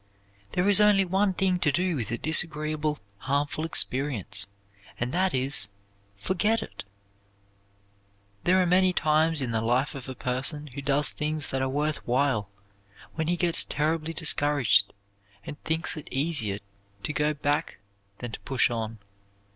There is only one thing to do with a disagreeable, harmful experience, and that is forget it! There are many times in the life of a person who does things that are worth while when he gets terribly discouraged and thinks it easier to go back than to push on.